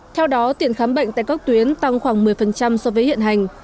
theo đó tiền khám bệnh tại các tuyến tăng khoảng một mươi so với hiện hành